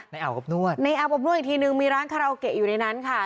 อาบอบนวดในอาบอบนวดอีกทีนึงมีร้านคาราโอเกะอยู่ในนั้นค่ะ